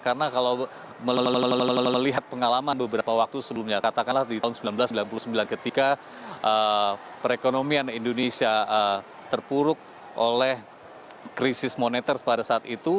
karena kalau melihat pengalaman beberapa waktu sebelumnya katakanlah di tahun seribu sembilan ratus sembilan puluh sembilan ketika perekonomian indonesia terpuruk oleh krisis moneter pada saat itu